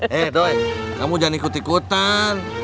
hei tue kamu jangan ikut ikutan